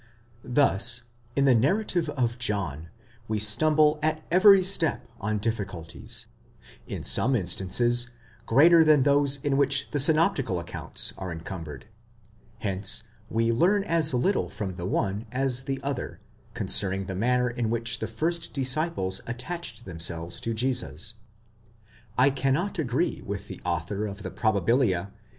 Thus in the narrative of John we stumble at every step on difficulties, in some instances greater than those with which the synoptical accounts are en cumbered : hence we learn as little from the one as the other, concerning the manner in which the first disciples attached themselves to Jesus. I cannot agree with the author of the Probabilia